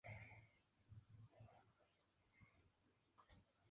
La cabeza de partido y por tanto sede de las instituciones judiciales es Torremolinos.